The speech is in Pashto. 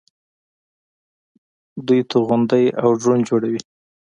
دوی توغندي او ډرون جوړوي.